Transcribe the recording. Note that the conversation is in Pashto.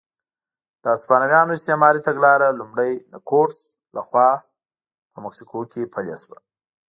د هسپانویانو استعماري تګلاره لومړی د کورټز لخوا په مکسیکو کې پلې شوه.